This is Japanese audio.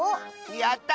やった！